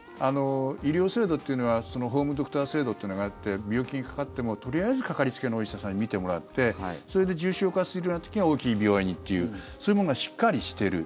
医療制度というのはホームドクター制度があって病気にかかっても、とりあえずかかりつけのお医者さんに診てもらってそれで重症化するような時には大きい病院にというそういうものがしっかりしてる。